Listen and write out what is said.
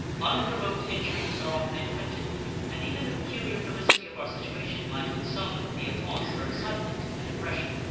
Unprovoked injuries are often inflicted and even the peculiar felicity of our situation might with some be a cause for excitement and aggression.